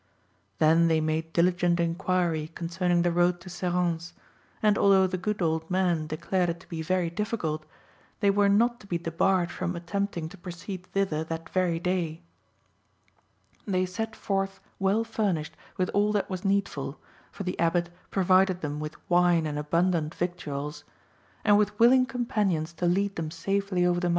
Then they made diligent inquiry concerning the road to Serrance, and although the good old man declared it to be very difficult, they were not to be debarred from attempting to proceed thither that very day. They set forth well furnished with all that was needful, for the Abbot provided them with wine and abundant victuals,(8) and with willing companions to lead them safely over the mountains. 8 According to MS. No.